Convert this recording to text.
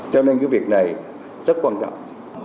cho nên cái việc này rất quan trọng